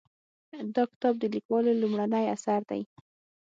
دا کتاب د لیکوالې لومړنی اثر دی